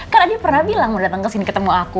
kan adi pernah bilang mau dateng kesini ketemu aku